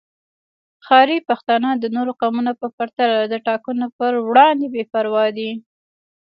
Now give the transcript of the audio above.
ښاري پښتانه د نورو قومونو په پرتله د ټاکنو پر وړاندې بې پروا دي